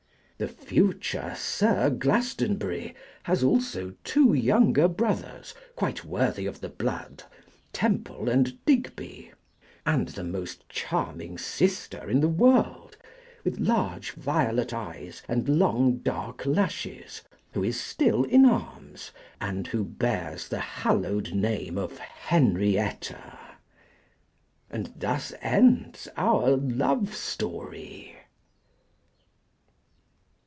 The future Sir Glastonbury has also two younger brothers quite worthy of the blood, Temple and Digby; and the most charming sister in the world, with large violet eyes and long dark lashes, who is still in arms, and who bears the hallowed name of Henrietta. And thus ends our LOVE STORY.